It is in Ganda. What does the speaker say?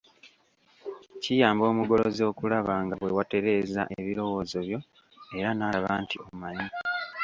Kiyamba omugolozi okulaba nga bwe watereeza ebirowoozo byo; era n'alaba nti omanyi.